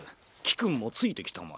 貴君もついてきたまえ。